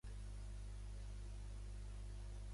Desitge un actor que execute l'acció.